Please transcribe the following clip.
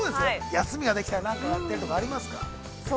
休みができたらなんかやってるとかありますか。